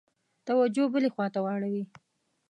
توجه بلي خواته واوړي.